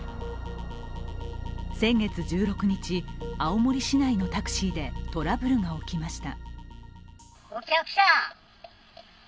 先月１６日、青森市内のタクシーでトラブルが起きました。